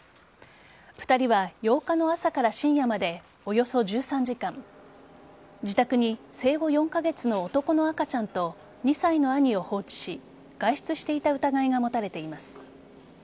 ２人は８日の朝から深夜までおよそ１３時間自宅に生後４カ月の男の赤ちゃんと２歳の兄を放置し外出していた疑いが持たれています。